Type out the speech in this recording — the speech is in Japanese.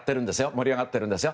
盛り上がってるんですよ。